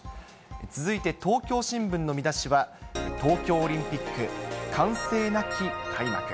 続いて東京新聞の見出しは、東京オリンピック、歓声なき開幕。